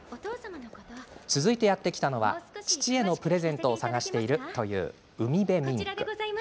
続いて、やって来たのは父へのプレゼントを探しているというウミベミンク。